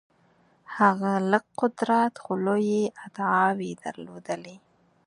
هغه لږ قدرت خو لویې ادعاوې درلودلې.